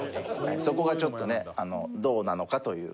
そこがちょっとねどうなのか？という話です。